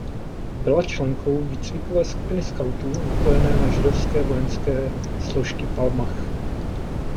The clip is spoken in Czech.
Byla členkou výcvikové skupiny skautů napojené na židovské vojenské složky Palmach.